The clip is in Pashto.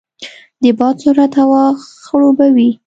د باد سرعت هوا خړوبوي.